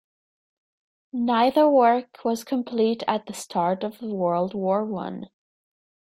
Neither work was complete at the start of World War One.